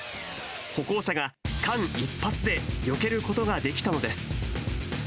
歩行者が間一髪でよけることができたのです。